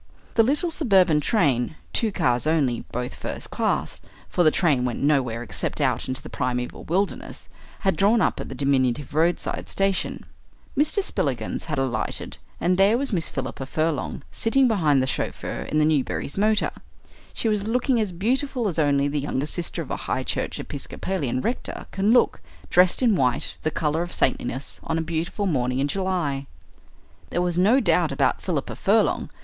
The little suburban train two cars only, both first class, for the train went nowhere except out into the primeval wilderness had drawn up at the diminutive roadside station. Mr. Spillikins had alighted, and there was Miss Philippa Furlong sitting behind the chauffeur in the Newberrys' motor. She was looking as beautiful as only the younger sister of a High Church episcopalian rector can look, dressed in white, the colour of saintliness, on a beautiful morning in July. There was no doubt about Philippa Furlong.